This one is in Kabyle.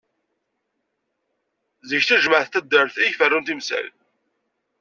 Zik d tajmeɛt n taddart i iferrun timsal.